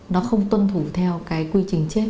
nó không tuân thủ theo cái quy trình chết